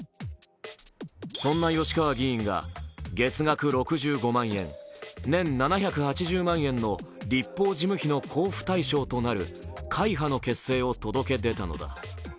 そんな吉川議員が、月額６５万円、年７８０万円の立法事務費の交付対象となる会派の結成を届け出たのだ。